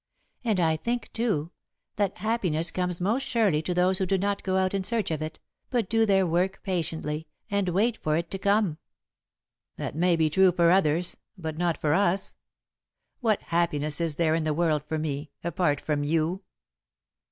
And I think, too, that happiness comes most surely to those who do not go out in search of it, but do their work patiently, and wait for it to come." "That may be true for others, but not for us. What happiness is there in the world for me, apart from you?"